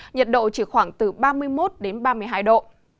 nhiệt độ chỉ khoảng từ ba mươi một đến ba mươi hai độ